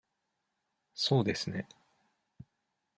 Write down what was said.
そうですね。